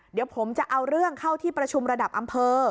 เดี๋ยวผมจะเอาเรื่องเข้าที่ประชุมระดับอำเภอ